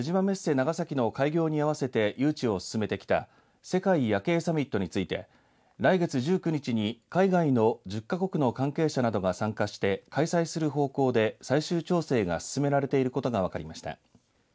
長崎の開業に合わせて誘致を進めてきた世界夜景サミットについて来月１９日に海外の１０か国の関係者などが参加して開催する方向で最終調整が進められていることが分かりました。